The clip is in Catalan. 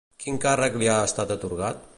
Quin càrrec li ha estat atorgat?